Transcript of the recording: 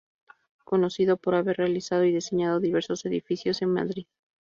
Conocido por haber realizado y diseñado diversos edificios en Madrid.